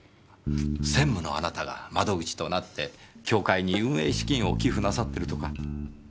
専務のあなたが窓口となって協会に運営資金を寄付なさってるとか。